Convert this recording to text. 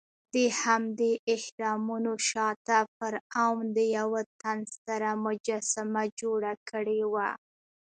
دهمدې اهرامونو شاته فرعون د یوه تن ستره مجسمه جوړه کړې وه.